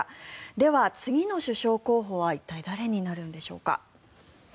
では、次の首相候補は一体誰になるんでしょうか。